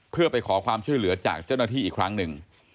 เพื่อไปขอความช่วยเหลือจากเจ้าหน้าที่อีกครั้งหนึ่ง